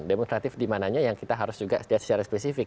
demonstratif dimananya yang kita harus juga lihat secara spesifik